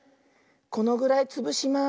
このぐらいつぶします。